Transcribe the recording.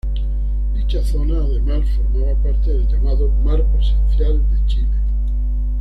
Dicha zona, además, formaba parte del llamado mar presencial de Chile.